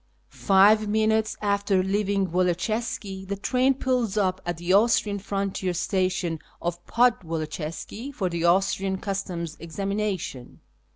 Five minutes after leaving Woloczyska llie train ])ull.s up at the Austrian liontier station of rodwoloczyska for tlie Austrian Customs' examination.